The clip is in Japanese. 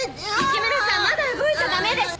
雪村さんまだ動いちゃ駄目です。